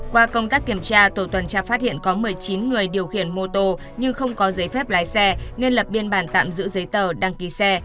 qua công tác kiểm tra tổ tuần tra phát hiện có một mươi chín người điều khiển mô tô nhưng không có giấy phép lái xe nên lập biên bản tạm giữ giấy tờ đăng ký xe